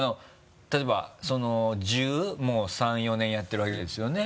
例えば１３１４年やってるわけですよね？